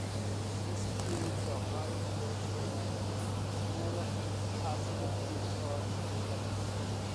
This creates a high field gradient around the smaller, positively charged electrode.